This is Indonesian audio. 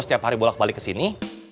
setiap hari bolak balik kesini